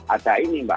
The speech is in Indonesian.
ada ini mbak